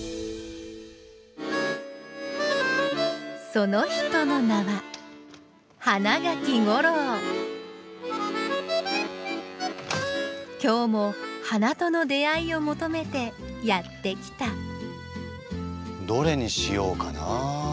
その人の名は今日も花との出会いを求めてやって来たどれにしようかな。